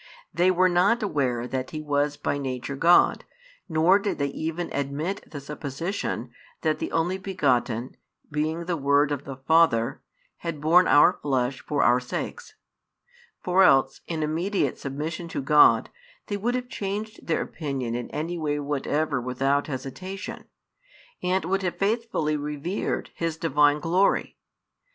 They were not aware that He was by Nature God, nor did they even admit the supposition that the Only Begotten, being the Word of the Father, had borne our flesh for our sakes: for else, in immediate submission to God, they would have changed their opinion in any way whatever without hesitation, and would have faithfully revered His Divine glory.